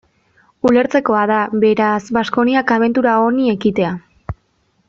Ulertzekoa da, beraz, Baskoniak abentura honi ekitea.